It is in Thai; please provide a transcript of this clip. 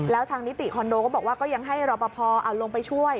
แล้วทางนิติคอนโดก็บอกว่าก็ยังให้รอปภลงไปช่วย